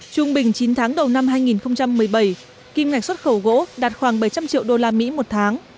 trung bình chín tháng đầu năm hai nghìn một mươi bảy kim ngạch xuất khẩu gỗ đạt khoảng bảy trăm linh triệu đô la mỹ một tháng